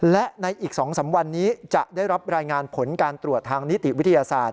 และในอีก๒๓วันนี้จะได้รับรายงานผลการตรวจทางนิติวิทยาศาสตร์